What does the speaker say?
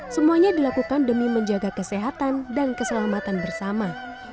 semuanya dilakukan demi menjaga kesehatan dan keselamatan bersama